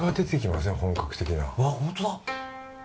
わっホントだ。